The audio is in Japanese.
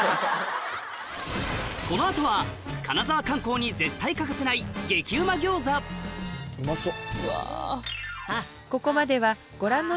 この後は金沢観光に絶対欠かせないうまそう。